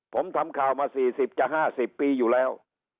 ผมทำข่าวมา๔๐จะ๕๐ปีอยู่แล้ว